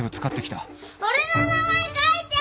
俺の名前書いて！